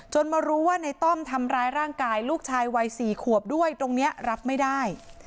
มารู้ว่าในต้อมทำร้ายร่างกายลูกชายวัย๔ขวบด้วยตรงนี้รับไม่ได้